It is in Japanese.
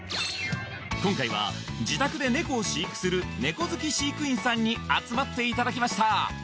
今回は自宅でネコを飼育するネコ好き飼育員さんに集まっていただきました